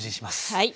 はい。